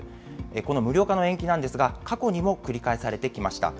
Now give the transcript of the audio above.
この無料化の延期なんですが、過去にも繰り返されてきました。